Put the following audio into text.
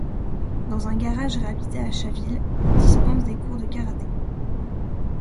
Dans un garage réhabilité à Chaville, ils dispensent des cours de karaté.